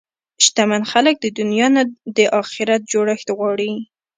شتمن خلک د دنیا نه د اخرت جوړښت غواړي.